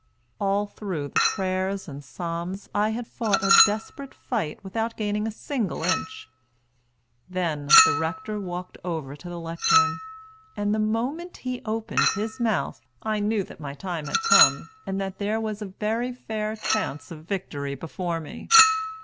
All through the prayers and psalms I had fought a desperate fight without gaining a single inch. Then the rector walked over to the lectern, and the moment he opened his mouth I knew that my time had come, and that there was a very fair chance of victory before me.